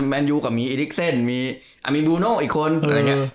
มันอยู่ก็มีอิฟลิกเซ็นมีบรูโน่อีกคน